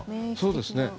そうですね。